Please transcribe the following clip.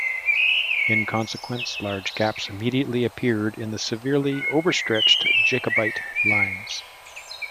In consequence, large gaps immediately appeared in the severely over-stretched Jacobite lines.